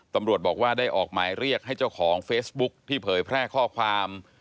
ตำรวจบอกว่าได้ออกหมายเรียกให้เจ้าของเฟซบุ๊คที่เผยแพร่ข้อความ